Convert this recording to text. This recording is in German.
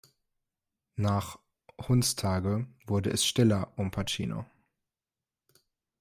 Nach "Hundstage" wurde es stiller um Pacino.